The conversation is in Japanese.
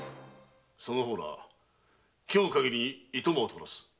その方ら今日限り暇を取らす。